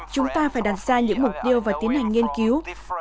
chúng ta phải đặt ra những mục tiêu và tiến hành nghiên cứu